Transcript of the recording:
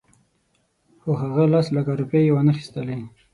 خو هغه لس لکه روپۍ یې وانخیستلې.